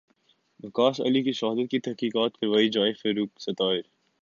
وقاص علی کی شہادت کی تحقیقات کروائی جائے فاروق ستار